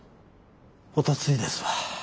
おとついですわ。